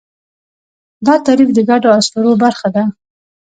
دا تعریف د ګډو اسطورو برخه ده.